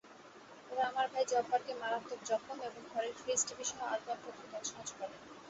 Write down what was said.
ওরা আমার ভাই জব্বারকে মারাত্মক জখম এবং ঘরের ফ্রিজ-টিভিসহ আসবাবপত্র তছনছ করে।